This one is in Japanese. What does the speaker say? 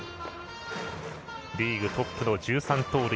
リーグトップの１３盗塁。